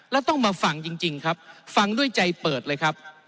แล้วต้องมาฟังจริงครับฟังด้วยใจเปิดเลยครับ